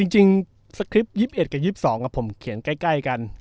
สคริปต์๒๑กับ๒๒ผมเขียนใกล้กัน